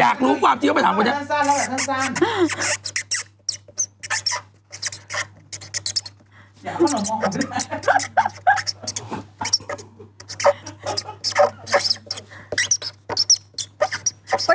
อยากรู้ความจริงว่าไปถามคุณแน่นแล้วแหละซ่าน